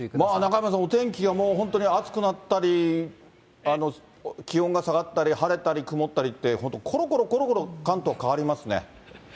中山さん、お天気がもう本当に暑くなったり、気温が下がったり、晴れたり、曇ったりって、本当、ころころころころ関東変わりますね。